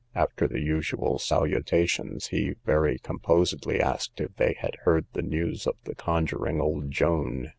After the usual salutations, he very composedly asked if they had heard the news of the conjuring old Joan?